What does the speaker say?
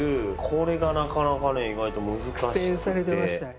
これがなかなかね意外と難しくて。